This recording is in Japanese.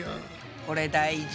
これ大事。